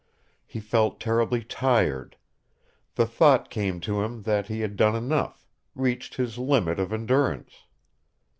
He felt terribly tired. The thought came to him that he had done enough, reached his limit of endurance.